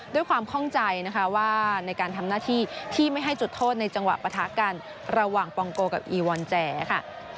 ข้องใจนะคะว่าในการทำหน้าที่ที่ไม่ให้จุดโทษในจังหวะปะทะกันระหว่างปองโกกับอีวอนแจค่ะ